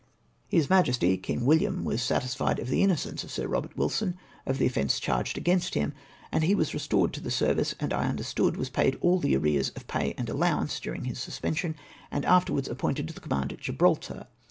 " His Majesty, King William, was satisfied of the innocence of Sir Eobert Wilson of the offence charged against him, and he was restored to the service, and I understood was paid all tbe arrears of pay and allowance during bis suspension, and afterwards appointed to tbe command at Gibraltar.